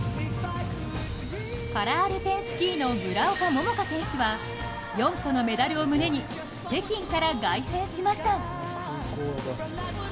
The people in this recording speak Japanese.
パラアルペンスキーの村岡桃佳選手は４個のメダルを胸に北京から凱旋しました。